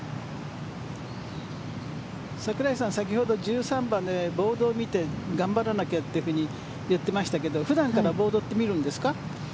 櫻井さん先ほど１３番でボードを見て頑張らなきゃといっていましたが普段からボードって見るんですか？